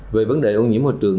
về vấn đề ô nhiễm hồi trường